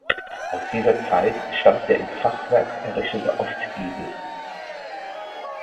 Aus dieser Zeit stammt der in Fachwerk errichtete Ostgiebel.